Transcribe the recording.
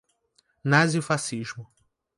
nazifascismo